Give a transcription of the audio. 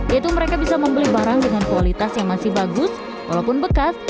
yaitu mereka bisa membeli barang dengan kualitas yang masih bagus walaupun bekas